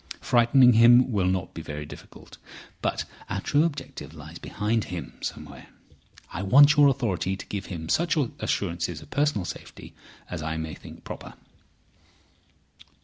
Frightening him will not be very difficult. But our true objective lies behind him somewhere. I want your authority to give him such assurances of personal safety as I may think proper."